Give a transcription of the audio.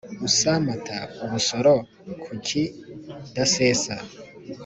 Usamata ubusoro ku kidasesa